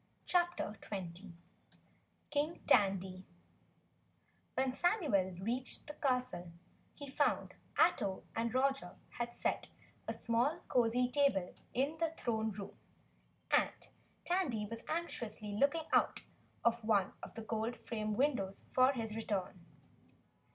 CHAPTER 20 King Tandy When Samuel reached the castle, he found Ato and Roger had set a small cozy table in the Throne Room, and Tandy was anxiously looking out of one of the gold framed windows for his return.